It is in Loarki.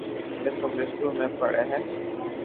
انڌس پبلڪ اسڪول مون پڙي ھي